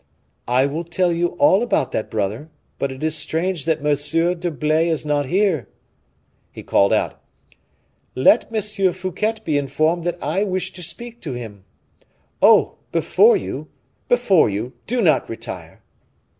"I will tell you all about that, brother; but it is strange that M. d'Herblay is not here!" He called out: "Let M. Fouquet be informed that I wish to speak to him oh! before you, before you; do not retire!"